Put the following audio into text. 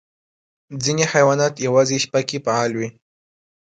ځینې حیوانات یوازې شپه کې فعال وي.